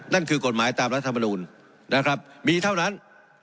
นั่นคือกฎหมายตามรัฐบนูนมีเท่านั้น